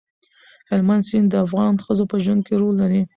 هلمند سیند د افغان ښځو په ژوند کې رول لري.